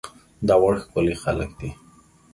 داوړ ښکلي خلک دي